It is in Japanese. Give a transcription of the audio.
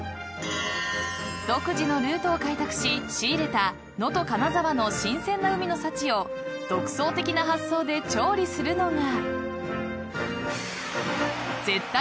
［独自のルートを開拓し仕入れた能登金沢の新鮮な海の幸を独創的な発想で調理するのが］